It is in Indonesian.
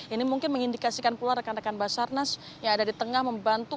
ini mungkin mengindikasikan pula rekan rekan basarnas yang ada di tengah membantu